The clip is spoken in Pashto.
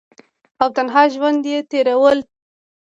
او تنها ژوند ئې تيرولو ۔